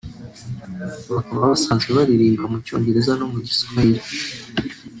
bakaba basanzwe baririmba mu cyongereza no mu giswahili